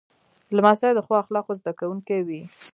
لمسی د ښو اخلاقو زده کوونکی وي.